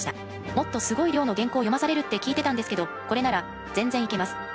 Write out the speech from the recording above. もっとすごい量の原稿を読まされるって聞いてたんですけどこれなら全然いけます。